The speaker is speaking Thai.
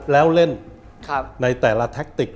แล้วเล่นในแต่ละแท็กติก